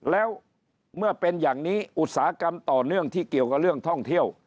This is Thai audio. แล้วเมื่อเป็นอย่างนี้อุตสาหกรรมต่อเนื่องที่เกี่ยวกับเรื่องท่องเที่ยว